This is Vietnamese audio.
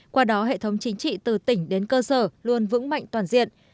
qua đó hệ thống chính trị từ tỉnh đến cơ sở luôn vững mạnh toàn diện